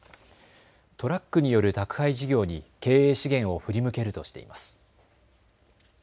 トラックによる宅配事業に経営資源を振り向けるとしています。